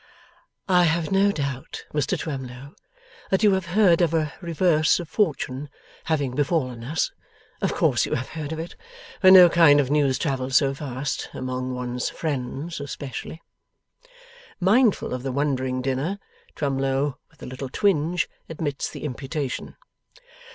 'I have no doubt, Mr Twemlow, that you have heard of a reverse of fortune having befallen us. Of course you have heard of it, for no kind of news travels so fast among one's friends especially.' Mindful of the wondering dinner, Twemlow, with a little twinge, admits the imputation.